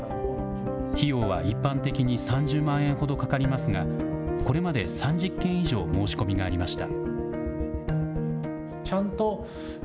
費用は一般的に３０万円ほどかかりますが、これまで３０件以上、申し込みがありました。